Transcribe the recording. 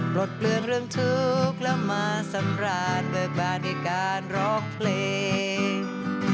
ปลดเปลืองเรื่องทุกข์แล้วมาสำราญเบิกบานด้วยการร้องเพลง